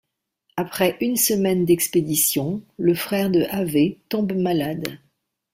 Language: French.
Après une semaine d’expédition, le frère de Havet tombe malade.